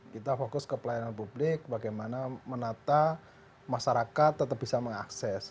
kita fokus ke pelayanan publik bagaimana menata masyarakat tetap bisa mengakses